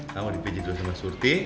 sama dipijit dulu sama surti